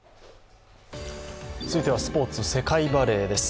続いてはスポーツ、世界バレーです。